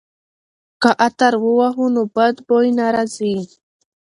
که عطر ووهو نو بد بوی نه راځي.